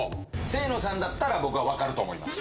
清野さんだったら僕は分かると思います。